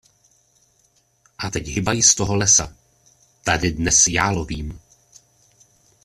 A teď hybaj z toho lesa, tady dnes já lovím!